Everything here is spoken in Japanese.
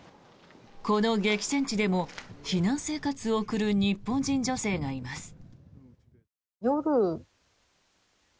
この激戦地でも避難生活を送る日本人女性がいます。